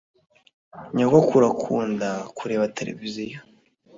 nyogokuru akunda kureba televiziyo